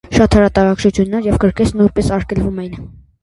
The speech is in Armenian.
Շատ հրատարակչություններ և գրքեր նույնպես արգելվում էին։